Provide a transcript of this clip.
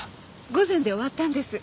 午前で終わったんです。